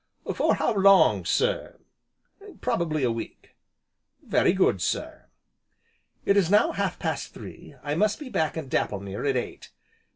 "For how long, sir?" "Probably a week." "Very good, sir." "It is now half past three, I must be back in Dapplemere at eight.